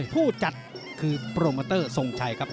ผู้จัดคือโปรโมเตอร์ทรงชัยครับ